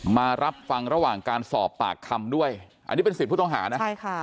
มารับฟังระหว่างการสอบปากคำด้วยอันนี้เป็นสิทธิ์ผู้ต้องหานะใช่ค่ะ